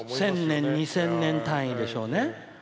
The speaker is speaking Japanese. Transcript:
１０００年２０００年単位でしょうね。